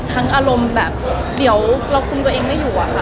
อารมณ์แบบเดี๋ยวเราคุมตัวเองไม่อยู่อะค่ะ